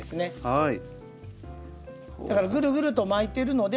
はい。